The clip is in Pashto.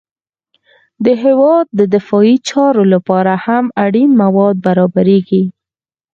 د هېواد د دفاعي چارو لپاره هم اړین مواد برابریږي